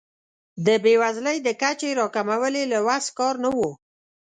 د بیوزلۍ د کچې راکمول یې له وس کار نه و.